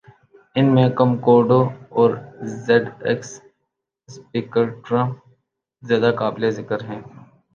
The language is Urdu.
ان میں کمکموڈو اور زیڈ ایکس اسپیکٹرم زیادہ قابل ذکر ہیں